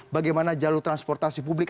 bagaimana jalur transportasi publik